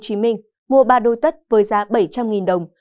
thú nhiều bản luận từ cư dân mạng